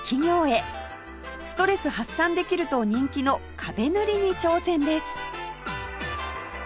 ストレス発散できると人気の壁塗りに挑戦です